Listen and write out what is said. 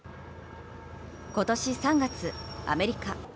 今年３月、アメリカ。